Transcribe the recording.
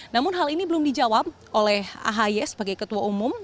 namun hal ini belum dijawab oleh ahy sebagai ketua umum